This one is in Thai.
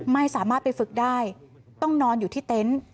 ไม่สามารถไปฝึกได้ต้องนอนอยู่ที่เต็นต์